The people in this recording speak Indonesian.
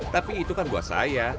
tapi itu kan buat saya